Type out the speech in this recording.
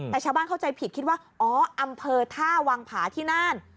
แต่ชาวบ้านเข้าใจผิดคิดว่าอ๋ออำเภอท่าวังผาที่น่าน